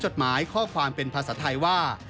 จดหมายข้อความเป็นภาษาไทยว่า